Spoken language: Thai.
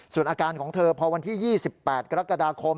ส่วนอาการของเธอพอวันที่๒๘กรกฎาคม